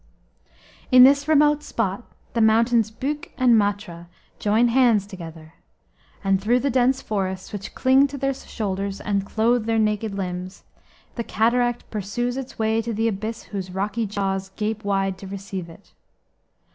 N this remote spot in the mountains Bükk and Mátra join hands together, and through the dense forests which cling to their shoulders and clothe their naked limbs, the cataract pursues its way to the abyss whose rocky jaws gape wide to receive it.